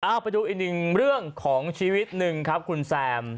เอาไปดูอีกหนึ่งเรื่องของชีวิตหนึ่งครับคุณแซม